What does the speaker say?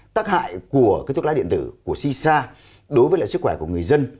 tác hại của cái thuốc lá điện tử của cisa đối với lại sức khỏe của người dân